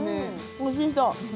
おいしい人？